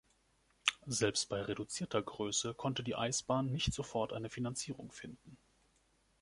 Selbst bei reduzierter Größe konnte die Eisbahn nicht sofort eine Finanzierung finden.